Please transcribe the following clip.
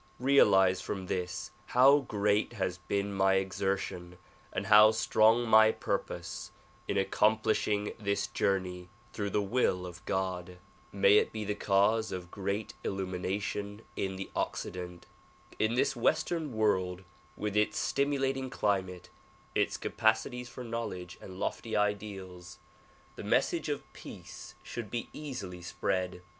Realize from this how great has been my exertion and how strong my purpose in accomplishing this journey through the will of God. May it be the cause of great illumination iu the Occident. In this western world with its stimulating climate, its capacities for knowledge and lofty ideals, the message of peace should be easily spread.